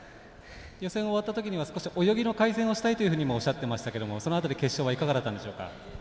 予選、終わったときには泳ぎの改善をしたいとおっしゃっていましたけどもその辺り決勝はいかがだったんでしょうか？